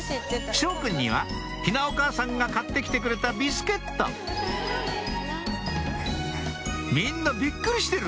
翔くんには陽菜お母さんが買って来てくれたビスケットみんなびっくりしてる！